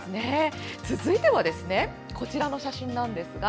続いてはこちらの写真。